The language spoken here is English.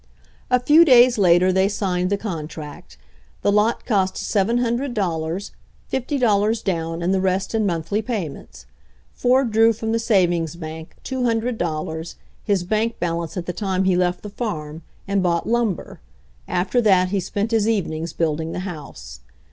A few days later they signed the contract. The lot cost seven hundred dollars, fifty dollars down and the rest in monthly payments. Ford drew from the savings bank two hundred dollars, his bank balance at the time he left the farm, and bought lumber. After that he spent his evenings building the house.